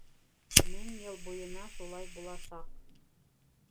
Мең йыл буйына шулай буласаҡ.